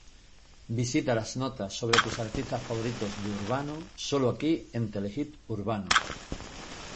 Visita las notas sobre tus artistas favoritos de Urbano solo aquí en Telehit Urbano.